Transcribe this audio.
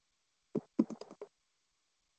创办人及理事长为香港音乐人黄耀明。